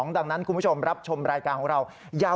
ดังนั้นคุณผู้ชมรับชมรายการของเรา